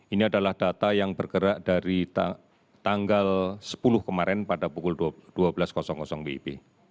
ini adalah data yang bergerak dari tanggal sepuluh kemarin pada pukul dua belas wib